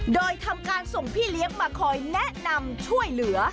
โดยทำการส่งพี่เลี้ยงมาคอยแนะนำช่วยเหลือ